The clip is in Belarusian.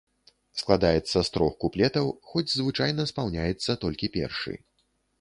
Складаецца з трох куплетаў, хоць звычайна спаўняецца толькі першы.